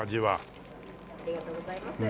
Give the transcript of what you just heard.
ありがとうございます。